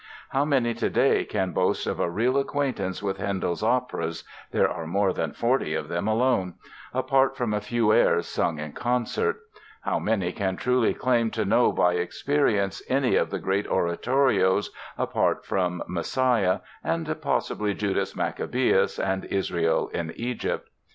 How many today can boast of a real acquaintance with Handel's operas (there are more than forty of them alone) apart from a few airs sung in concert; how many can truly claim to know by experience any of the great oratorios apart from "Messiah" and, possibly, "Judas Maccabaeus" and "Israel in Egypt?"